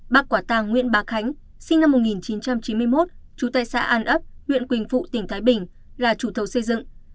bác quả tàng nguyễn bà khánh sinh năm một nghìn chín trăm chín mươi một trú tại xã an ấp huyện quỳnh phụ tỉnh thái bình là chủ thầu xây dựng